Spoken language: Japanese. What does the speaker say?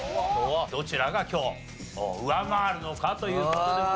どちらが今日上回るのかという事でございます。